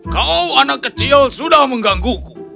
kau anak kecil sudah menggangguku